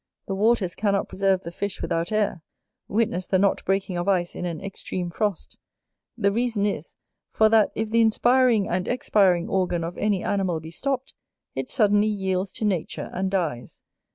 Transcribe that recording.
The waters cannot preserve the Fish without air, witness the not breaking of ice in an extreme frost; the reason is, for that if the inspiring and expiring organ of any animal be stopped, it suddenly yields to nature, and dies.